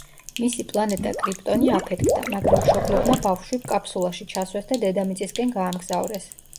მისი პლანეტა კრიპტონი აფეთქდა, მაგრამ მშობლებმა ბავშვი კაფსულაში ჩასვეს და დედამიწისკენ გაამგზავრეს.